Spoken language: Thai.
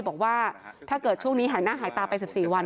บอกว่าถ้าเกิดช่วงนี้หายหน้าหายตาไป๑๔วัน